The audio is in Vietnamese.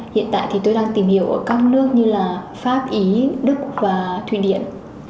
hiện tại tôi đang tìm hiểu ở các nước như pháp ý đức và thủy điện